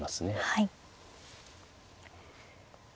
はい。